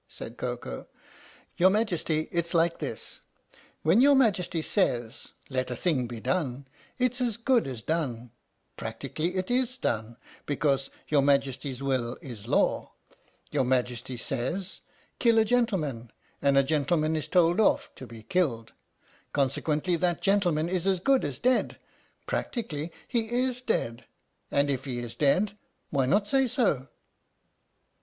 said Koko. "Your Majesty, it 's like this : when your Majesty says ' Let a thing be done,' it 's as good as done practically it is done, because your Majesty's 114 THE STORY OF THE MIKADO will is law. Your Majesty says ' Kill a gentleman,' and a gentleman is told off to be killed conse quently that gentleman is as good as dead prac tically he is dead and if he is dead, why not say so?"